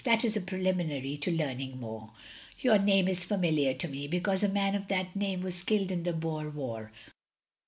"That is a preliminary to learning more. Your name is familiar to me, because a man of that name was killed in the Boer War.